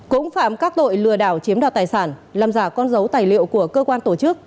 cũng phạm các tội lừa đảo chiếm đoạt tài sản làm giả con dấu tài liệu của cơ quan tổ chức